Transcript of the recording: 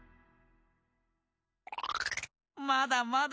まだまだ。